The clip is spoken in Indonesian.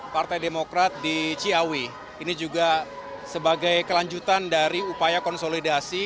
partai demokrat di ciawi ini juga sebagai kelanjutan dari upaya konsolidasi